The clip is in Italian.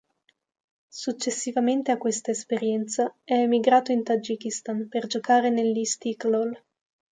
Successivamente a questa esperienza, è emigrato in Tagikistan per giocare nell'Istiklol.